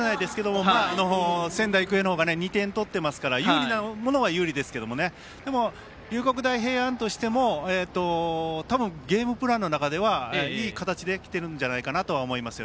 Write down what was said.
も仙台育英の方が２点取っていますから有利なものは有利ですけどでも、龍谷大平安としても多分、ゲームプランの中ではいい形できているんじゃないかと思います。